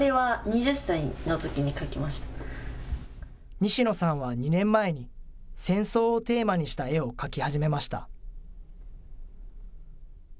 西野さんは２年前に戦争をテーマにした絵を描き始めました。